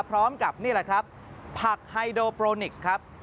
พร้อมกับนี่แหละครับผักไฮโดโปรนิกส์ครับ